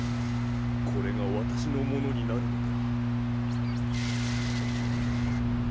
これがわたしのものになるのだ。